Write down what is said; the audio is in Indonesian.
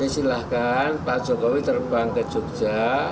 silahkan pak jokowi terbang ke jogja